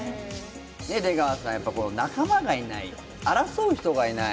出川さん、仲間がいない、争う人がいない。